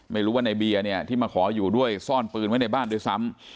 ไม่รู้ว่าในเบียร์เนี่ยที่มาขออยู่ด้วยซ่อนปืนไว้ในบ้านด้วยซ้ำ